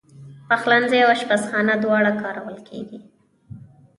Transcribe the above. پخلنځی او آشپزخانه دواړه کارول کېږي.